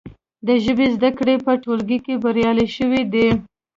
د ژبې زده کړې په ټولګیو کې بریالۍ شوي دي.